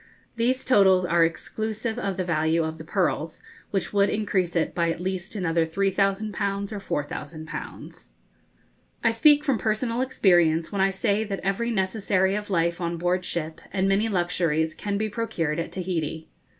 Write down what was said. These totals are exclusive of the value of the pearls, which would increase it by at least another 3,000_l_ or 4,000_l_. I speak from personal experience when I say that every necessary of life on board ship, and many luxuries, can be procured at Tahiti.